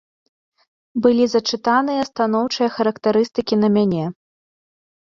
Былі зачытаныя станоўчыя характарыстыкі на мяне.